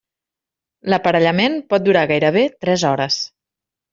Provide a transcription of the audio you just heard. L'aparellament pot durar gairebé tres hores.